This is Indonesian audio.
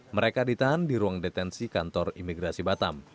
mereka ditahan di ruang detensi kantor imigrasi batam